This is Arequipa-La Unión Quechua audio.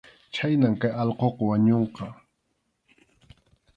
Chhaynam kay allquqa wañunqa.